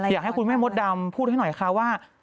อยากให้คุณแม่มดดำพูดให้หน่อยค่ะว่า